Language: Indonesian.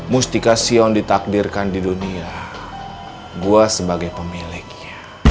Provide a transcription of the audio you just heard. mustika sion ditakdirkan di dunia gue sebagai pemiliknya